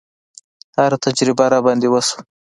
هره تجربه راباندې وشوه.